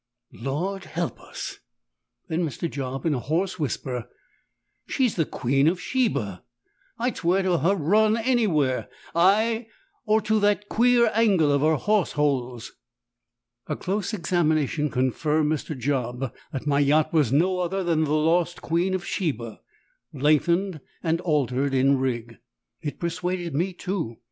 "Lord help us!" then said Mr. Job, in a hoarse whisper. "She's the Queen of Sheba. I'd swear to her run anywhere ay, or to that queer angle of her hawse holes." A close examination confirmed Mr. Job that my yacht was no other than the lost Queen of Sheba, lengthened and altered in rig. It persuaded me, too.